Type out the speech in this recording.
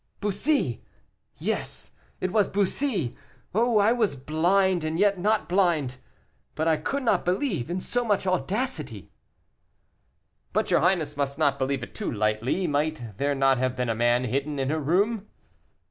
Bussy! yes, it was Bussy. Oh, I was blind and yet not blind; but I could not believe in so much audacity." "But your highness must not believe it too lightly; might there not have been a man hidden in her room?"